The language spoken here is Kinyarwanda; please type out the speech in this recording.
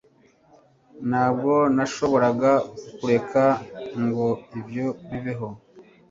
Ntabwo nashoboraga kureka ngo ibyo bibeho